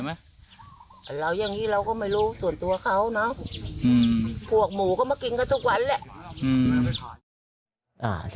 แล้วยังงี้เราก็ไม่รู้ส่วนตัวเขาเนาะอืมผวกหมูเข้ามากินกันทุกวันแหละอืม